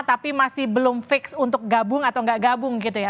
tapi masih belum fix untuk gabung atau nggak gabung gitu ya